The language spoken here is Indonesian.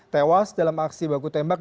tewas dalam aksi baku tembak